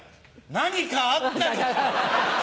何かあったのか？